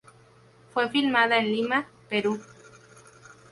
Fue filmada en Lima, Perú.